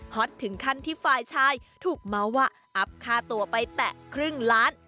ตถึงขั้นที่ฝ่ายชายถูกเมาส์ว่าอัพค่าตัวไปแตะครึ่งล้าน